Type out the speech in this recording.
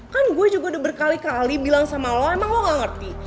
kan gue juga udah berkali kali bilang sama lo emang lo gak ngerti